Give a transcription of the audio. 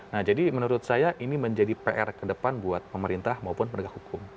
nah jadi menurut saya ini menjadi pr ke depan buat pemerintah maupun penegak hukum